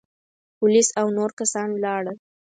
پوليس او نور کسان ولاړل.